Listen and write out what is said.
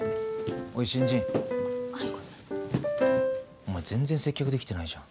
お前全然接客できてないじゃん。